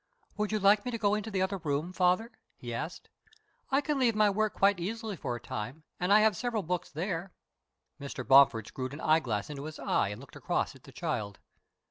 "Would you like me to go into the other room, father?" he asked. "I can leave my work quite easily for a time, and I have several books there." Mr. Bomford screwed an eyeglass into his eye and looked across at the child.